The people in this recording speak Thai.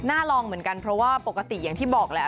ลองเหมือนกันเพราะว่าปกติอย่างที่บอกแหละ